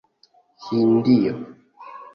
Hindio